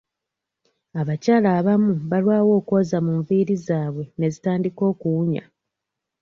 Abakyala abamu balwawo okwoza mu nviiri zaabwe ne zitandika okuwunya.